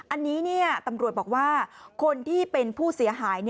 อันนี้ตำรวจบอกว่าคนที่เป็นผู้เสียหาย